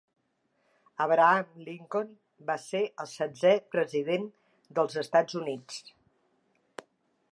Abraham Lincoln va ser el setzè president dels Estats Units.